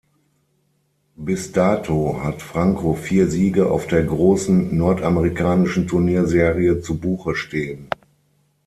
Bis dato hat Franco vier Siege auf der großen nordamerikanischen Turnierserie zu Buche stehen.